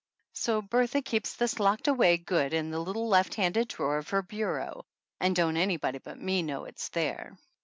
So Bertha keeps this locked away good in the little left handed drawer of her bureau, and don't anybody but me know it's there.